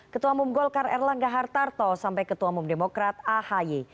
ketua umum golkar erlangga hartarto sampai ketua umum demokrat ahi